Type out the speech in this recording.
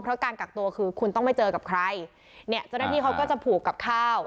เพราะการกักตัวคือคุณต้องไม่เจอกับใครเนี่ยเจ้าหน้าที่เขาก็จะผูกกับข้าว